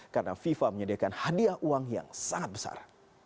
karena fifa menyediakan hadiah uang yang sangat besar